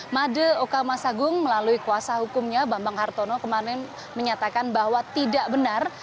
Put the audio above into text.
made okamasagung melalui kuasa hukumnya bambang hartono kemarin menyatakan bahwa tidak benar